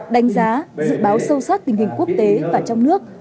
đánh giá dự báo sâu sắc tình hình quốc tế và trong nước